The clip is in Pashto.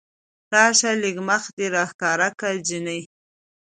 راشه لږ مخ دې راښکاره که جينۍ